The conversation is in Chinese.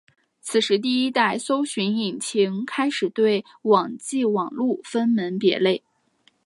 此时第一代搜寻引擎开始对网际网路分门别类。